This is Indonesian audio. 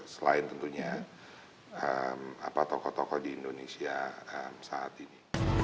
selain tentunya tokoh tokoh di indonesia saat ini